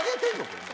これ。